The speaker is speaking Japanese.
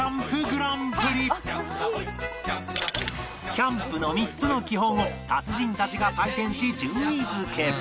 キャンプの３つの基本を達人たちが採点し順位付け